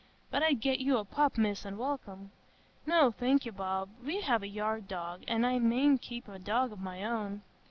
"But I'd get you a pup, Miss, an' welcome." "No, thank you, Bob. We have a yard dog, and I mayn't keep a dog of my own."